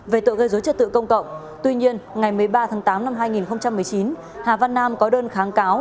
về tội gây dối trật tự công cộng tuy nhiên ngày một mươi ba tháng tám năm hai nghìn một mươi chín hà văn nam có đơn kháng cáo